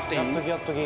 やっとき